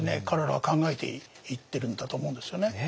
彼らは考えていってるんだと思うんですよね。